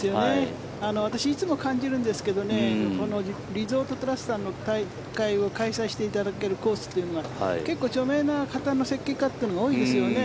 私いつも感じるんですけどこのリゾートトラストさんの大会を開催していただけるコースっていうのは結構著名な方の設計家というのが多いんですよね。